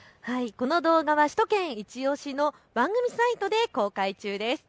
この動画は首都圏いちオシ！の番組サイトで公開中です。